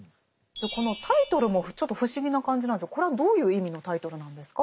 このタイトルもちょっと不思議な感じなんですけどこれはどういう意味のタイトルなんですか？